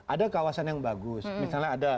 ada kawasan yang bagus misalnya ada